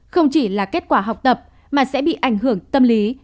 không chỉ là kết quả học tập mà sẽ bị ảnh hưởng tâm lý